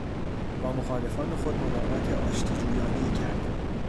با مخالفان خود ملاقات آشتی جویانهای کرد.